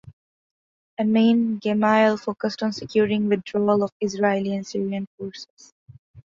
Amine Gemayel focused on securing the withdrawal of Israeli and Syrian forces.